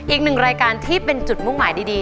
อีกหนึ่งรายการที่เป็นจุดมุ่งหมายดี